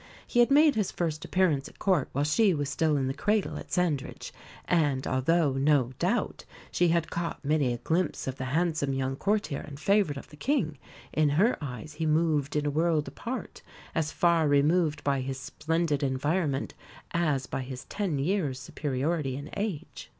He had made his first appearance at Court while she was still in the cradle at Sandridge; and although, no doubt, she had caught many a glimpse of the handsome young courtier and favourite of the King, in her eyes he moved in a world apart, as far removed by his splendid environment as by his ten years' superiority in age.